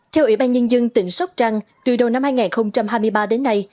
theo ủy ban nhân dân tỉnh sóc trăng từ đầu năm hai nghìn hai mươi ba đến nay